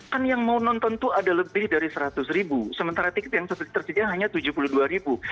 kan yang mau nonton tuh ada lebih dari seratus ribu sementara tiket yang tersedia hanya tujuh puluh dua ribu